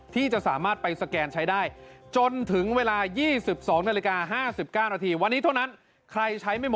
ที่จะสามารถไปสแกนใช้ได้